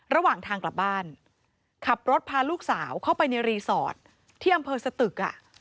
ระหว่างทางกลับบ้านขับรถพาลูกสาวเข้าไปในรีสอร์ทที่อำเภอสตึก